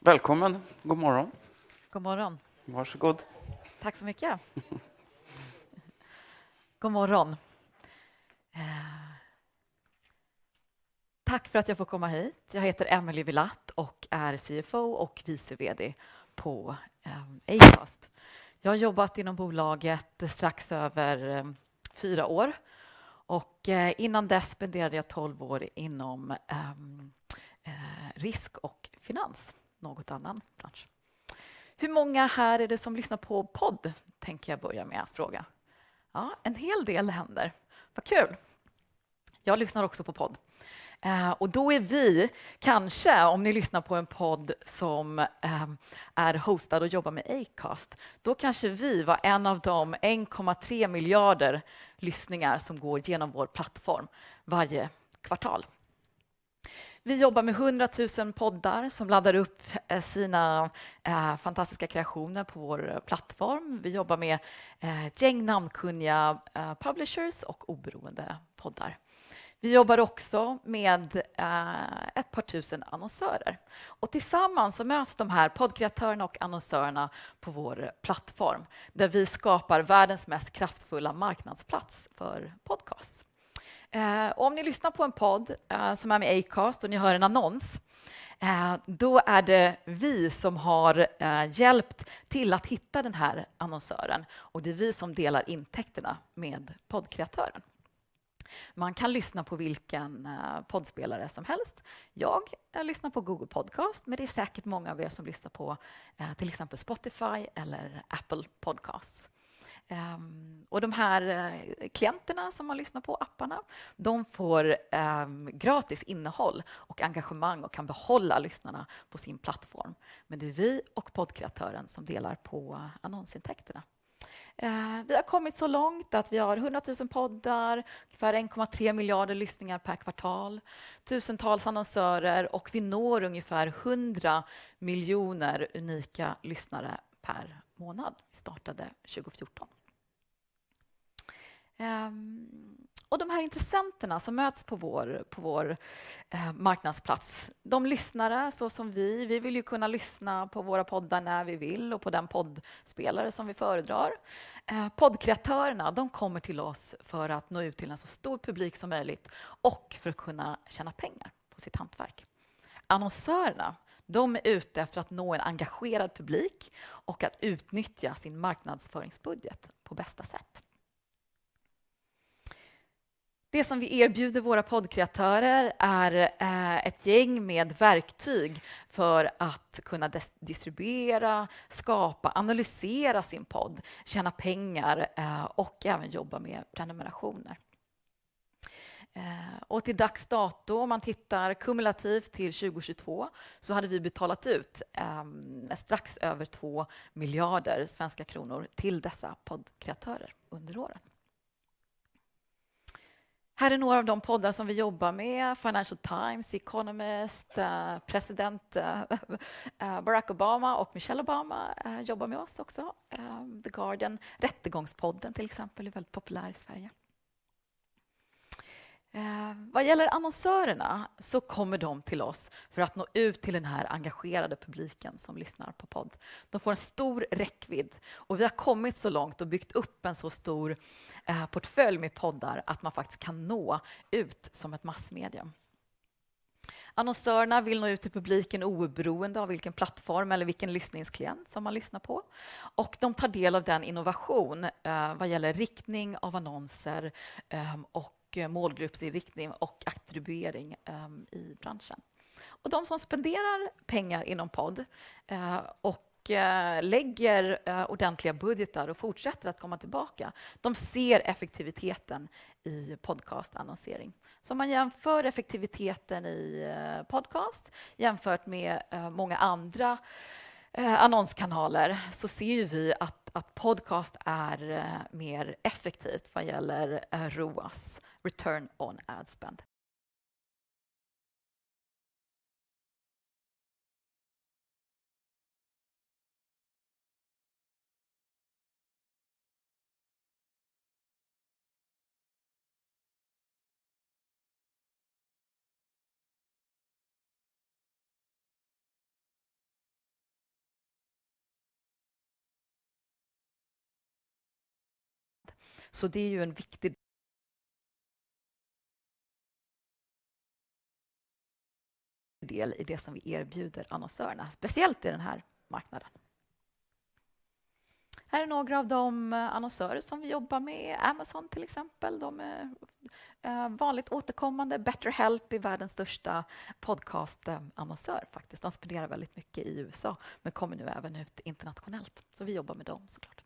Välkommen! God morgon. God morgon. Varsågod. Tack så mycket! God morgon. Tack för att jag får komma hit. Jag heter Emily Vilatt och är CFO och vice VD på Acast. Jag har jobbat inom bolaget strax över fyra år och innan dess spenderade jag tolv år inom risk och finans, något annan bransch. Hur många här är det som lyssnar på podd? Tänker jag börja med att fråga. Ja, en hel del händer. Vad kul! Jag lyssnar också på podd. Då är vi kanske, om ni lyssnar på en podd som är hostad och jobbar med Acast, då kanske vi var en av de 1,3 miljarder lyssningar som går igenom vår plattform varje kvartal. Vi jobbar med hundra tusen poddar som laddar upp sina fantastiska kreationer på vår plattform. Vi jobbar med ett gäng namnkunniga publishers och oberoende poddar. Vi jobbar också med ett par tusen annonsörer och tillsammans så möts de här poddkreatörerna och annonsörerna på vår plattform, där vi skapar världens mest kraftfulla marknadsplats för podcast. Om ni lyssnar på en podd som är med Acast och ni hör en annons, då är det vi som har hjälpt till att hitta den här annonsören och det är vi som delar intäkterna med poddkreatören. Man kan lyssna på vilken poddspelare som helst. Jag lyssnar på Google Podcast, men det är säkert många av er som lyssnar på till exempel Spotify eller Apple Podcasts. De här klienterna som man lyssnar på, apparna, de får gratis innehåll och engagemang och kan behålla lyssnarna på sin plattform. Men det är vi och poddkreatören som delar på annonsintäkterna. Vi har kommit så långt att vi har hundra tusen poddar, ungefär 1,3 miljarder lyssningar per kvartal, tusentals annonsörer och vi når ungefär hundra miljoner unika lyssnare per månad. Vi startade 2014. Och de här intressenterna som möts på vår marknadsplats, de lyssnare, så som vi, vi vill ju kunna lyssna på våra poddar när vi vill och på den poddspelare som vi föredrar. Poddkreatörerna, de kommer till oss för att nå ut till en så stor publik som möjligt och för att kunna tjäna pengar på sitt hantverk. Annonsörerna, de är ute efter att nå en engagerad publik och att utnyttja sin marknadsföringsbudget på bästa sätt. Det som vi erbjuder våra poddkreatörer är ett gäng med verktyg för att kunna distribuera, skapa, analysera sin podd, tjäna pengar och även jobba med prenumerationer. Och till dags dato, om man tittar kumulativt till 2022, så hade vi betalat ut strax över 2 miljarder svenska kronor till dessa poddkreatörer under åren. Här är några av de poddar som vi jobbar med: Financial Times, Economist, president Barack Obama och Michelle Obama jobbar med oss också. The Guardian, Rättegångspodden till exempel, är väldigt populär i Sverige. Vad gäller annonsörerna så kommer de till oss för att nå ut till den här engagerade publiken som lyssnar på podd. De får en stor räckvidd och vi har kommit så långt och byggt upp en så stor portfölj med poddar att man faktiskt kan nå ut som ett massmedium. Annonsörerna vill nå ut till publiken oberoende av vilken plattform eller vilken lyssningsklient som man lyssnar på, och de tar del av den innovation vad gäller riktning av annonser och målgruppsinriktning och attribuering i branschen. Och de som spenderar pengar inom podd och lägger ordentliga budgetar och fortsätter att komma tillbaka, de ser effektiviteten i podcastannonsering. Om man jämför effektiviteten i podcast jämfört med många andra annonskanaler, så ser ju vi att podcast är mer effektivt vad gäller ROAS, return on ad spend. Det är ju en viktig del i det som vi erbjuder annonsörerna, speciellt i den här marknaden. Här är några av de annonsörer som vi jobbar med, Amazon, till exempel. De är vanligt återkommande. BetterHelp är världens största podcastannonsör, faktiskt. De spenderar väldigt mycket i USA, men kommer nu även ut internationellt. Vi jobbar med dem så klart.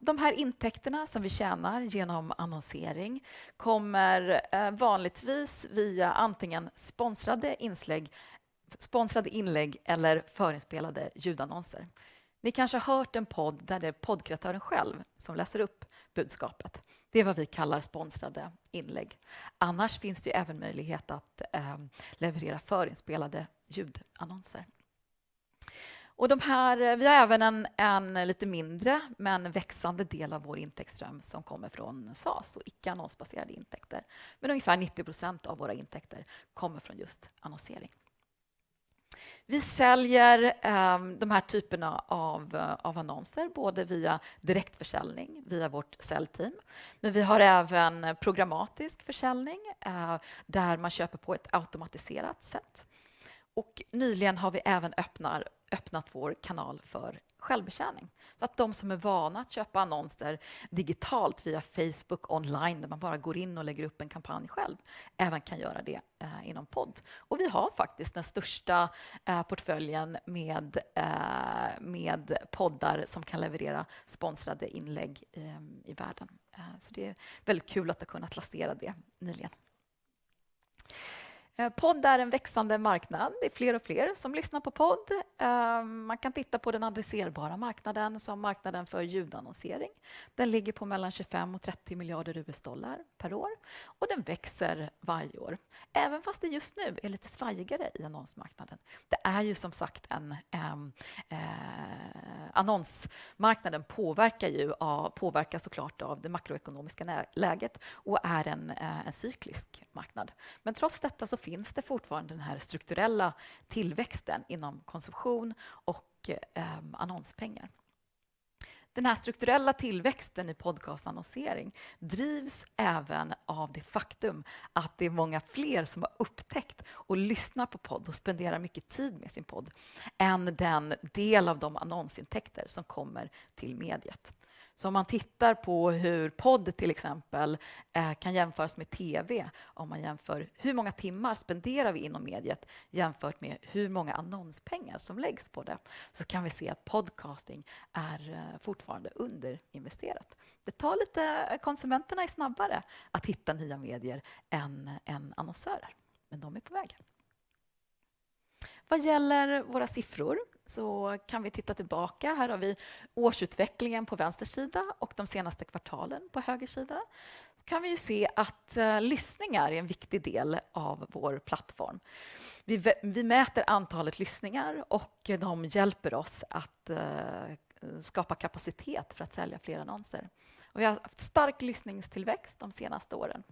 De här intäkterna som vi tjänar igenom annonsering kommer vanligtvis via antingen sponsrade inslägg, sponsrade inlägg eller förinspelade ljudannonser. Ni kanske hört en podd där det är poddkreatören själv som läser upp budskapet. Det är vad vi kallar sponsrade inlägg. Annars finns det även möjlighet att leverera förinspelade ljudannonser. De här, vi har även en lite mindre, men växande del av vår intäktsström som kommer från SAS och icke annonsbaserade intäkter. Men ungefär 90% av våra intäkter kommer från just annonsering. Vi säljer de här typerna av annonser, både via direktförsäljning, via vårt säljteam. Men vi har även programmatisk försäljning, där man köper på ett automatiserat sätt. Nyligen har vi även öppnat vår kanal för självbetjäning. Så att de som är vana att köpa annonser digitalt via Facebook online, där man bara går in och lägger upp en kampanj själv, även kan göra det inom podd. Vi har faktiskt den största portföljen med poddar som kan leverera sponsrade inlägg i världen. Så det är väldigt kul att ha kunnat lansera det nyligen. Podd är en växande marknad. Det är fler och fler som lyssnar på podd. Man kan titta på den adresserbara marknaden, som marknaden för ljudannonsering. Den ligger på mellan $25 och $30 miljarder per år och den växer varje år. Även fast det just nu är lite svajigare i annonsmarknaden. Det är ju som sagt en annonsmarknad som påverkas så klart av det makroekonomiska läget och är en cyklisk marknad. Men trots detta så finns det fortfarande den här strukturella tillväxten inom konsumtion och annonspengar. Den här strukturella tillväxten i podcastannonsering drivs även av det faktum att det är många fler som har upptäckt och lyssnar på podd och spenderar mycket tid med sin podd, än den del av de annonsintäkter som kommer till mediet. Om man tittar på hur podd till exempel kan jämföras med TV, om man jämför hur många timmar spenderar vi inom mediet jämfört med hur många annonspengar som läggs på det, så kan vi se att podcasting är fortfarande underinvesterat. Det tar lite, konsumenterna är snabbare att hitta nya medier än annonsörer, men de är på väg. Vad gäller våra siffror så kan vi titta tillbaka. Här har vi årsutvecklingen på vänster sida och de senaste kvartalen på höger sida. Kan vi se att lyssningar är en viktig del av vår plattform. Vi mäter antalet lyssningar och de hjälper oss att skapa kapacitet för att sälja fler annonser. Vi har haft stark lyssningstillväxt de senaste åren.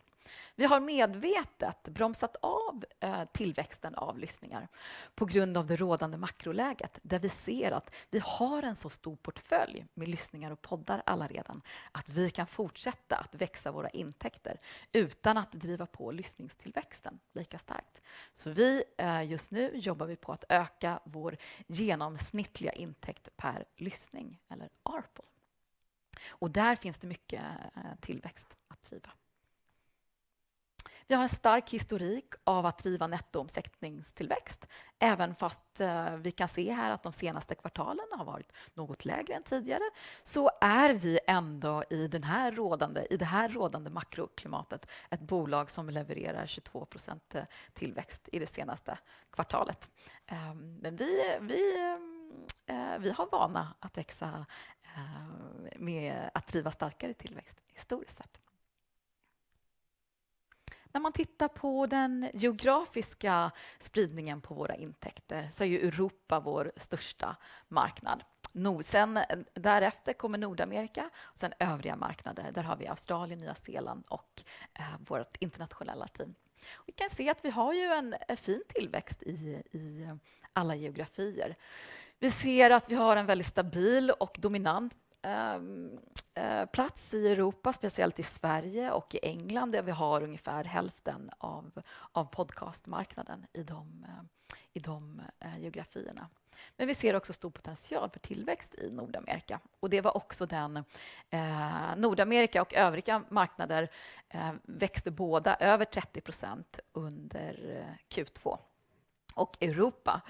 Vi har medvetet bromsat av tillväxten av lyssningar på grund av det rådande makroläget, där vi ser att vi har en så stor portfölj med lyssningar och poddar allerede, att vi kan fortsätta att växa våra intäkter utan att driva på lyssningstillväxten lika starkt. Just nu jobbar vi på att öka vår genomsnittliga intäkt per lyssning eller ARPU. Där finns det mycket tillväxt att driva. Vi har en stark historik av att driva nettoomsättningstillväxt, även fast vi kan se här att de senaste kvartalen har varit något lägre än tidigare, så är vi ändå i det här rådande makroklimatet, ett bolag som levererar 22% tillväxt i det senaste kvartalet. Men vi har vana att växa med att driva starkare tillväxt historiskt sett. När man tittar på den geografiska spridningen på våra intäkter, så är ju Europa vår största marknad. Nordsen, därefter kommer Nordamerika, sedan övriga marknader. Där har vi Australien, Nya Zeeland och vårt internationella team. Vi kan se att vi har ju en fin tillväxt i alla geografier. Vi ser att vi har en väldigt stabil och dominant plats i Europa, speciellt i Sverige och i England, där vi har ungefär hälften av podcastmarknaden i de geografierna. Men vi ser också stor potential för tillväxt i Nordamerika och det var också den... Nordamerika och övriga marknader växte båda över 30% under Q2. Europa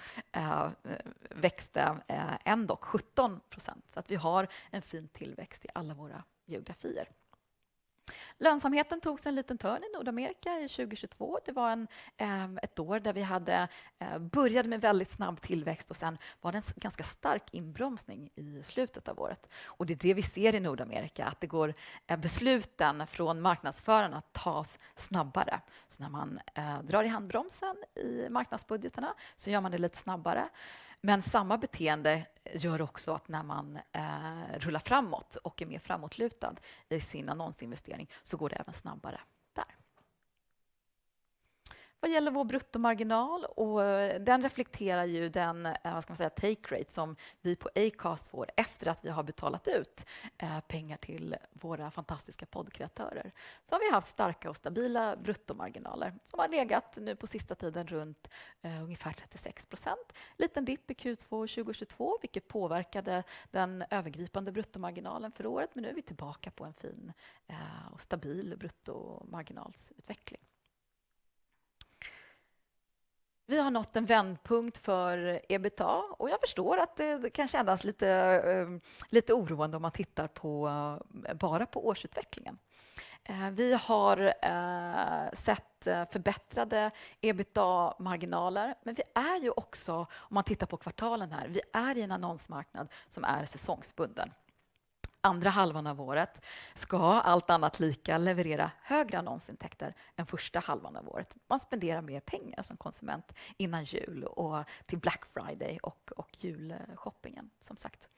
växte ändock 17%, så att vi har en fin tillväxt i alla våra geografier. Lönsamheten tog sig en liten törn i Nordamerika i 2022. Det var ett år där vi hade, började med väldigt snabb tillväxt och sedan var det en ganska stark inbromsning i slutet av året. Och det är det vi ser i Nordamerika, att det går, besluten från marknadsförarna att tas snabbare. Så när man drar i handbromsen i marknadsbudgetarna, så gör man det lite snabbare. Men samma beteende gör också att när man rullar framåt och är mer framåtlutad i sin annonsinvestering, så går det även snabbare där. Vad gäller vår bruttomarginal, och den reflekterar ju den, vad ska man säga, take rate som vi på Acast får efter att vi har betalat ut pengar till våra fantastiska poddkreatörer, så har vi haft starka och stabila bruttomarginaler som har legat nu på sista tiden runt ungefär trettiosex procent. Liten dipp i Q2 2022, vilket påverkade den övergripande bruttomarginalen för året, men nu är vi tillbaka på en fin och stabil bruttomarginalutveckling. Vi har nått en vändpunkt för EBITDA och jag förstår att det kanske kännas lite oroande om man tittar bara på årsutvecklingen. Vi har sett förbättrade EBITDA-marginaler, men vi är ju också, om man tittar på kvartalen här, vi är i en annonsmarknad som är säsongsbunden. Andra halvan av året ska allt annat lika leverera högre annonsintäkter än första halvan av året. Man spenderar mer pengar som konsument innan jul och till Black Friday och julshoppingen som sagt.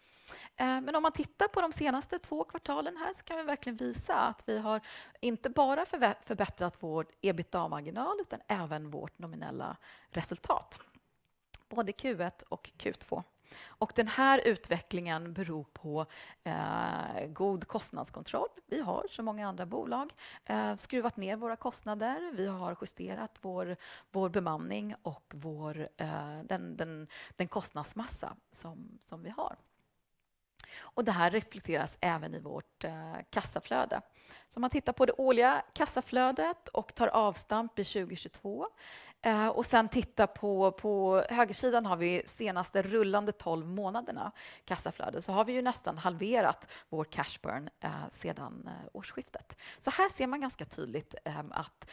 Men om man tittar på de senaste två kvartalen här, så kan vi verkligen visa att vi har inte bara förbättrat vår EBITDA-marginal, utan även vårt nominella resultat. Både Q1 och Q2. Den här utvecklingen beror på god kostnadskontroll. Vi har, som många andra bolag, skruvat ner våra kostnader. Vi har justerat vår bemanning och den kostnadsmassa som vi har. Det här reflekteras även i vårt kassaflöde. Om man tittar på det årliga kassaflödet och tar avstamp i 2022 och sedan tittar på, på högersidan har vi senaste rullande tolv månaderna kassaflöde, så har vi ju nästan halverat vår cash burn sedan årsskiftet. Här ser man ganska tydligt att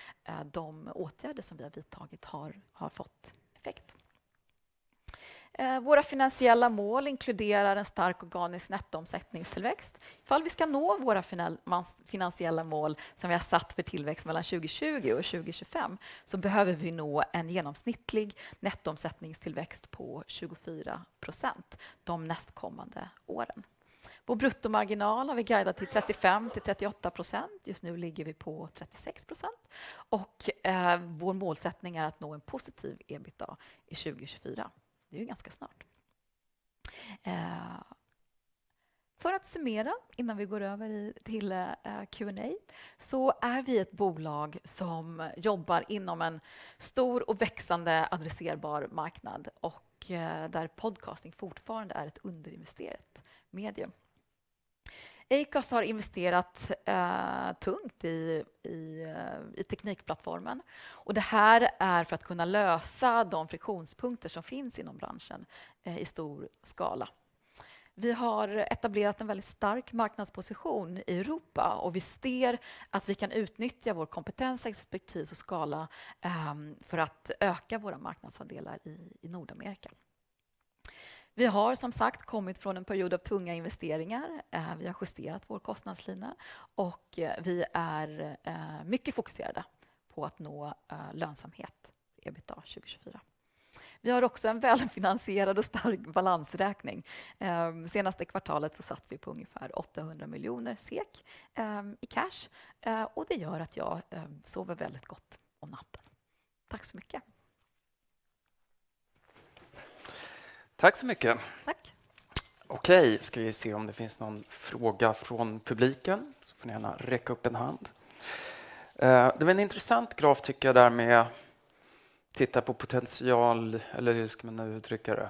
de åtgärder som vi har vidtagit har fått effekt. Våra finansiella mål inkluderar en stark organisk nettoomsättningstillväxt. Ifall vi ska nå våra finansiella mål som vi har satt för tillväxt mellan 2020 och 2025, så behöver vi nå en genomsnittlig nettoomsättningstillväxt på 24% de nästkommande åren. Vår bruttomarginal har vi guidat till 35 till 38%. Just nu ligger vi på 36% och vår målsättning är att nå en positiv EBITDA i 2024. Det är ju ganska snart. För att summera, innan vi går över till Q&A, så är vi ett bolag som jobbar inom en stor och växande adresserbar marknad och där podcasting fortfarande är ett underinvesterat medium. Acast har investerat tungt i teknikplattformen och det här är för att kunna lösa de friktionspunkter som finns inom branschen i stor skala. Vi har etablerat en väldigt stark marknadsposition i Europa och vi ser att vi kan utnyttja vår kompetens, expertis och skala för att öka våra marknadsandelar i Nordamerika. Vi har som sagt kommit från en period av tunga investeringar. Vi har justerat vår kostnadslina och vi är mycket fokuserade på att nå lönsamhet, EBITDA 2024. Vi har också en välfinansierad och stark balansräkning. Senaste kvartalet så satt vi på ungefär 800 miljoner SEK i cash, och det gör att jag sover väldigt gott om natten. Tack så mycket! Tack så mycket. Tack. Okej, ska vi se om det finns någon fråga från publiken? Så får ni gärna räcka upp en hand. Det var en intressant graf tycker jag, där med titta på potential eller hur ska man uttrycka det?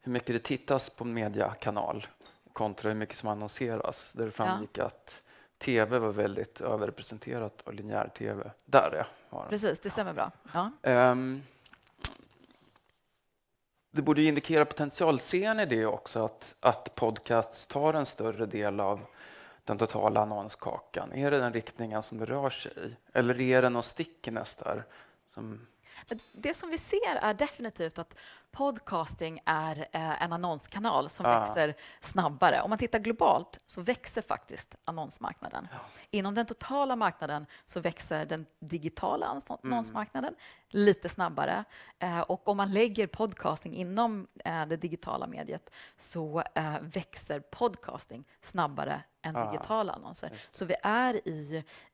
Hur mycket det tittas på en mediekanal kontra hur mycket som annonseras. Där det framgick att TV var väldigt överrepresenterat och linjär-TV. Där, ja. Precis, det stämmer bra. Ja. Det borde ju indikera potential. Ser ni det också att podcasts tar en större del av den totala annonskakan? Är det den riktningen som det rör sig i eller är det något stickigt nästan som...? Det som vi ser är definitivt att podcasting är en annonskanal. Ja. som växer snabbare. Om man tittar globalt så växer faktiskt annonsmarknaden. Ja. Inom den totala marknaden så växer den digitala annonsmarknaden lite snabbare. Och om man lägger podcasting inom det digitala mediet så växer podcasting snabbare än digitala annonser. Ja. Vi är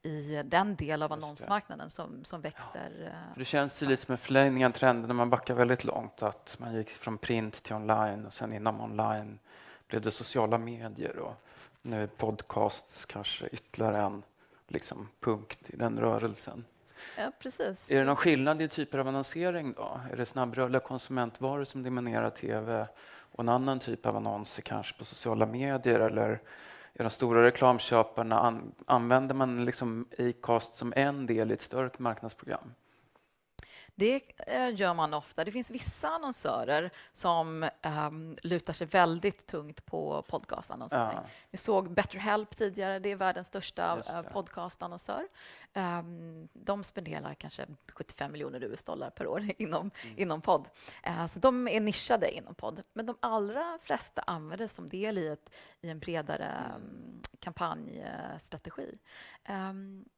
i den del av annonsmarknaden- Just det. Som växer. Det känns ju lite som en förlängning av trenden när man backar väldigt långt, att man gick från print till online och sedan inom online blev det sociala medier och nu är podcasts kanske ytterligare en, liksom, punkt i den rörelsen. Ja, precis. Är det någon skillnad i typer av annonsering då? Är det snabbrörliga konsumentvaror som dominerar TV och en annan typ av annonser, kanske på sociala medier? Eller är de stora reklamköparna, använder man liksom Acast som en del i ett större marknadsprogram? Det gör man ofta. Det finns vissa annonsörer som lutar sig väldigt tungt på podcastannonsering. Ja. Ni såg Better Help tidigare, det är världens största- Just det. Podcastannonsör. De spenderar kanske $75 miljoner per år inom podd. Så de är nischade inom podd, men de allra flesta använder det som del i en bredare kampanjstrategi.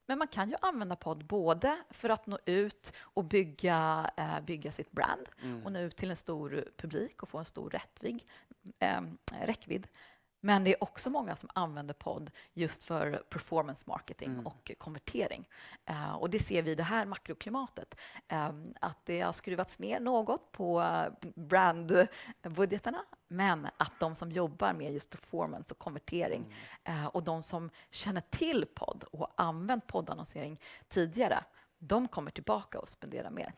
Men man kan ju använda podd både för att nå ut och bygga sitt brand. Mm. Och nå ut till en stor publik och få en stor räckvidd. Men det är också många som använder podd just för performance marketing. Mm. Och konvertering. Och det ser vi i det här makroklimatet att det har skruvats ner något på brandbudgetarna, men att de som jobbar med just performance och konvertering, och de som känner till podd och använt poddannonsering tidigare, de kommer tillbaka och spenderar mer.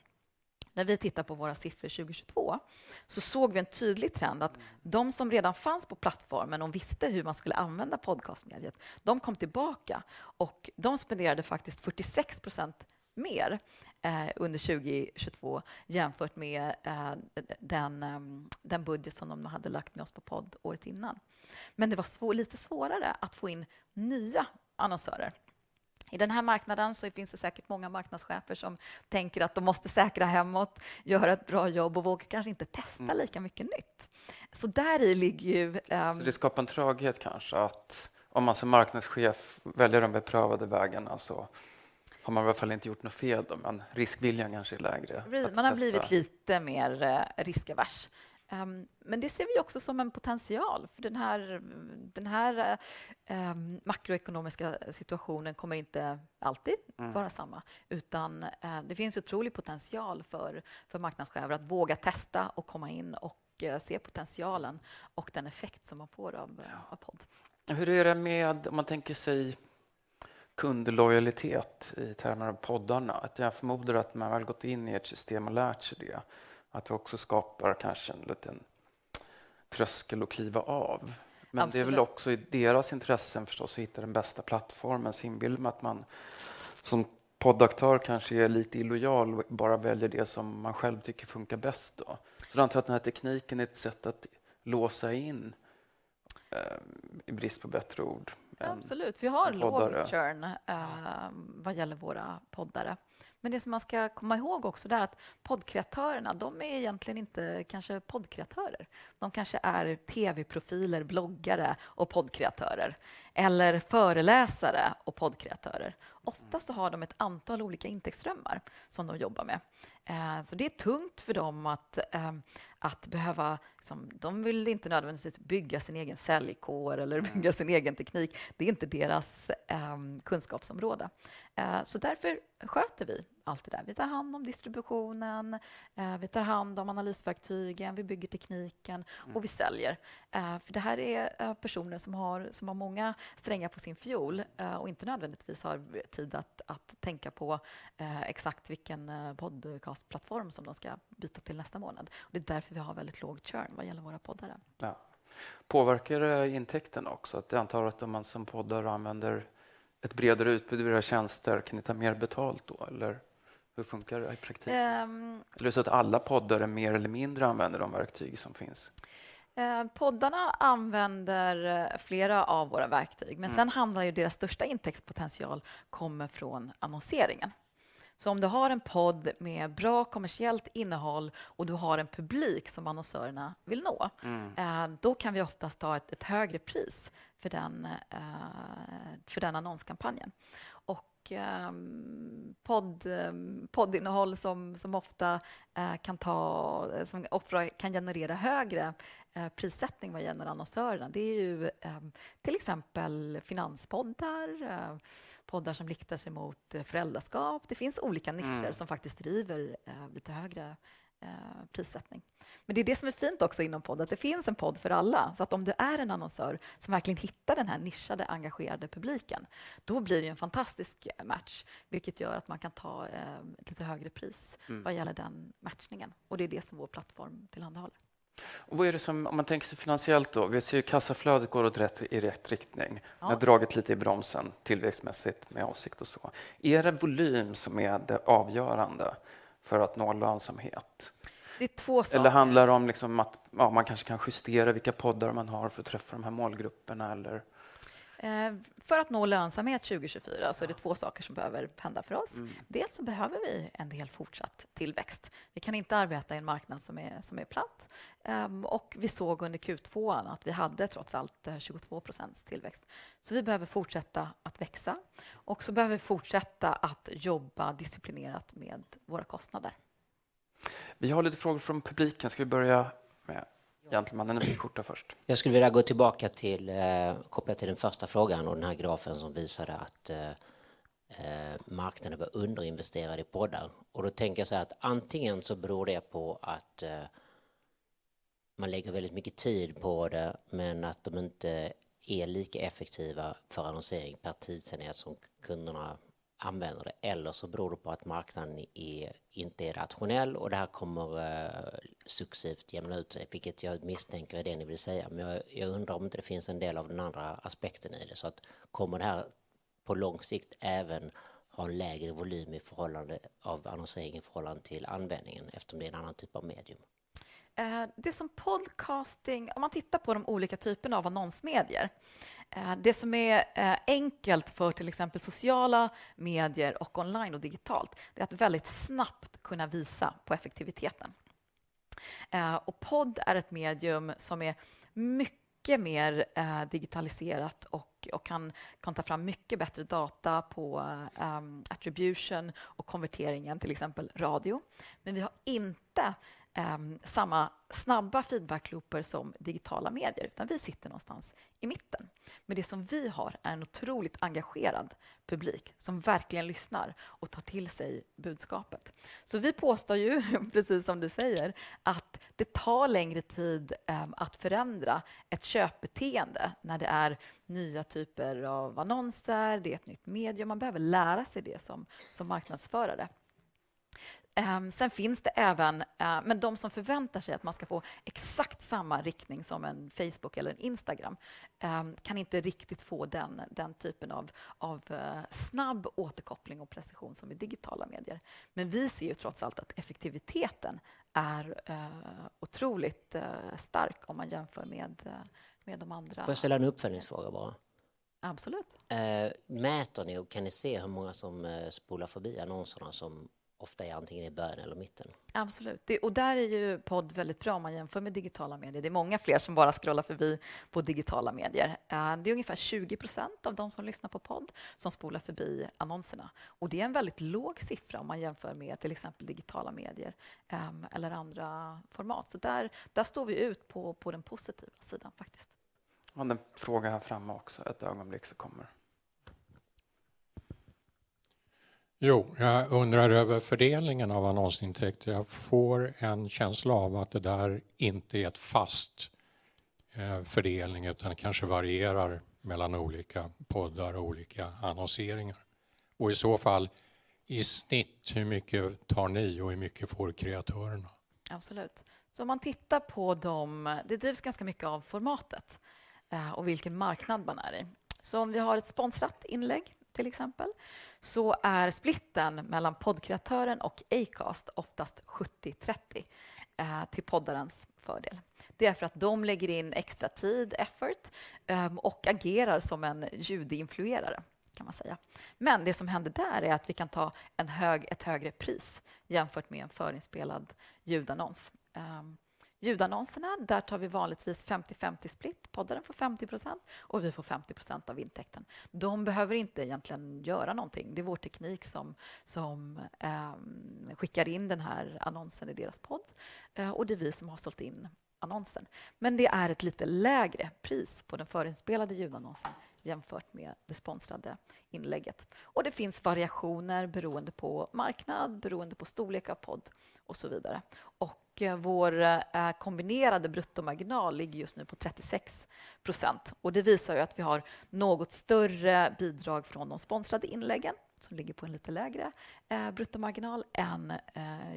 När vi tittar på våra siffror 2022, så såg vi en tydlig trend att de som redan fanns på plattformen och visste hur man skulle använda podcastmediet, de kom tillbaka och de spenderade faktiskt 46% mer under 2022 jämfört med den budget som de hade lagt med oss på podd året innan. Men det var lite svårare att få in nya annonsörer. I den här marknaden så finns det säkert många marknadschefer som tänker att de måste säkra hemåt, göra ett bra jobb och vågar kanske inte testa lika mycket nytt. Så däri ligger ju. Det skapar en traghet kanske, att om man som marknadschef väljer de beprövade vägarna, så har man i varje fall inte gjort något fel. Men riskviljan kanske är lägre. Man har blivit lite mer riskavers. Men det ser vi också som en potential, för den här makroekonomiska situationen kommer inte alltid vara samma. Utan det finns otrolig potential för marknadschefer att våga testa och komma in och se potentialen och den effekt som man får av podd. Hur är det med, om man tänker sig kundlojalitet i termer av poddarna? Jag förmodar att när man väl gått in i ett system och lärt sig det, att det också skapar kanske en liten tröskel att kliva av. Men det är väl också i deras intressen förstås att hitta den bästa plattformen. Så inbillar mig att man som poddaktör kanske är lite illojal och bara väljer det som man själv tycker funkar bäst då. Jag antar att den här tekniken är ett sätt att låsa in, i brist på bättre ord. Absolut, vi har low churn vad gäller våra poddare. Men det som man ska komma ihåg också, det är att poddkreatörerna, de är egentligen inte kanske poddkreatörer. De kanske är tv-profiler, bloggare och poddkreatörer eller föreläsare och poddkreatörer. Oftast så har de ett antal olika intäktsströmmar som de jobbar med. För det är tungt för dem att behöva, de vill inte nödvändigtvis bygga sin egen säljkår eller bygga sin egen teknik. Det är inte deras kunskapsområde. Därför sköter vi allt det där. Vi tar hand om distributionen, vi tar hand om analysverktygen, vi bygger tekniken och vi säljer. För det här är personer som har, som har många strängar på sin fiol och inte nödvändigtvis har tid att tänka på exakt vilken podcastplattform som de ska byta till nästa månad. Det är därför vi har väldigt låg churn vad gäller våra poddare. Ja, påverkar det intäkten också? Jag antar att om man som poddare använder ett bredare utbud av era tjänster, kan ni ta mer betalt då? Eller hur funkar det i praktiken? Eller är det så att alla poddare mer eller mindre använder de verktyg som finns? Poddarna använder flera av våra verktyg, men sen handlar ju deras största intäktspotential kommer från annonseringen. Så om du har en podd med bra kommersiellt innehåll och du har en publik som annonsörerna vill nå, då kan vi oftast ta ett högre pris för den annonskampanjen. Poddinnehåll som ofta kan generera högre prissättning vad gäller annonsörerna, det är ju till exempel finanspoddar, poddar som riktar sig mot föräldraskap. Det finns olika nischer som faktiskt driver lite högre prissättning. Men det är det som är fint också inom podd, att det finns en podd för alla. Så att om du är en annonsör som verkligen hittar den här nischade, engagerade publiken, då blir det en fantastisk match, vilket gör att man kan ta ett lite högre pris vad gäller den matchningen. Det är det som vår plattform tillhandahåller. Och vad är det som, om man tänker sig finansiellt då, vi ser ju kassaflödet går åt rätt, i rätt riktning. Ni har dragit lite i bromsen, tillväxtmässigt, med avsikt och så. Är det volym som är det avgörande för att nå lönsamhet? Det är två saker. Eller handlar det om att, ja, man kanske kan justera vilka poddar man har för att träffa de här målgrupperna, eller? För att nå lönsamhet 2024 så är det två saker som behöver hända för oss. Dels så behöver vi en del fortsatt tillväxt. Vi kan inte arbeta i en marknad som är platt. Vi såg under Q2 att vi hade trots allt det här 22% tillväxt. Vi behöver fortsätta att växa och vi behöver fortsätta att jobba disciplinerat med våra kostnader. Vi har lite frågor från publiken. Ska vi börja med gentlemannen i skjorta först? Jag skulle vilja gå tillbaka till, koppla till den första frågan och den här grafen som visade att marknaden var underinvesterad i poddar. Då tänker jag såhär att antingen så beror det på att man lägger väldigt mycket tid på det, men att de inte är lika effektiva för annonsering per tidsenhet som kunderna använder det. Eller så beror det på att marknaden inte är rationell och det här kommer successivt jämna ut sig, vilket jag misstänker är det ni vill säga. Men jag undrar om inte det finns en del av den andra aspekten i det. Kommer det här på lång sikt även ha en lägre volym i förhållande av annonsering i förhållande till användningen, eftersom det är en annan typ av medium? Det som podcasting, om man tittar på de olika typerna av annonsmedier, det som är enkelt för till exempel sociala medier och online och digitalt, det är att väldigt snabbt kunna visa på effektiviteten. Podd är ett medium som är mycket mer digitaliserat och kan ta fram mycket bättre data på attribution och konverteringen, till exempel, radio. Men vi har inte samma snabba feedbackloopar som digitala medier, utan vi sitter någonstans i mitten. Men det som vi har är en otroligt engagerad publik som verkligen lyssnar och tar till sig budskapet. Så vi påstår ju, precis som du säger, att det tar längre tid att förändra ett köpbeteende när det är nya typer av annonser, det är ett nytt medium. Man behöver lära sig det som marknadsförare. Sen finns det även... Men de som förväntar sig att man ska få exakt samma riktning som en Facebook eller en Instagram kan inte riktigt få den typen av snabb återkoppling och precision som i digitala medier. Men vi ser ju trots allt att effektiviteten är otroligt stark om man jämför med de andra. Får jag ställa en uppföljningsfråga bara? Absolut! Mäter ni och kan ni se hur många som spolar förbi annonserna som ofta är antingen i början eller i mitten? Absolut. Och där är ju podd väldigt bra om man jämför med digitala medier. Det är många fler som bara skrollar förbi på digitala medier. Det är ungefär 20% av de som lyssnar på podd som spolar förbi annonserna. Och det är en väldigt låg siffra om man jämför med till exempel digitala medier eller andra format. Så där står vi ut på den positiva sidan faktiskt. En fråga här framme också. Ett ögonblick så kommer. Jo, jag undrar över fördelningen av annonsintäkter. Jag får en känsla av att det där inte är en fast fördelning, utan kanske varierar mellan olika poddar och olika annonseringar. Och i så fall, i snitt, hur mycket tar ni och hur mycket får kreatörerna? Absolut. Om man tittar på de, det drivs ganska mycket av formatet och vilken marknad man är i. Om vi har ett sponsrat inlägg, till exempel, så är splitten mellan poddkreatören och Acast oftast 70/30 till poddarens fördel. Det är för att de lägger in extra tid, effort, och agerar som en ljudinfluerare, kan man säga. Men det som händer där är att vi kan ta ett högre pris jämfört med en förinspelad ljudannons. Ljudannonserna, där tar vi vanligtvis 50/50-splitt. Poddaren får 50% och vi får 50% av intäkten. De behöver inte egentligen göra någonting. Det är vår teknik som skickar in den här annonsen i deras podd och det är vi som har sålt in annonsen. Men det är ett lite lägre pris på den förinspelade ljudannonsen jämfört med det sponsrade inlägget. Det finns variationer beroende på marknad, beroende på storlek av podd och så vidare. Vår kombinerade bruttomarginal ligger just nu på 36%. Det visar att vi har något större bidrag från de sponsrade inläggen, som ligger på en lite lägre bruttomarginal, än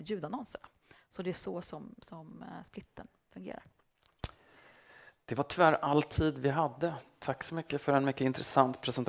ljudannonserna. Det är så som splitten fungerar. Det var tyvärr all tid vi hade. Tack så mycket för en mycket intressant presentation!